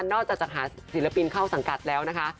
จากจะหาศิลปินเข้าสังกัดแล้วนะคะ